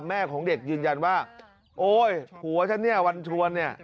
แม่ของเด็กยืนยันว่าโอ๊ยผัวฉันเนี่ยวันชวนเนี่ย